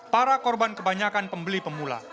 para korban kebanyakan pembeli pemula